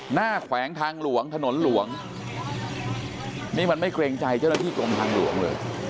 แขวงทางหลวงถนนหลวงนี่มันไม่เกรงใจเจ้าหน้าที่กรมทางหลวงเลย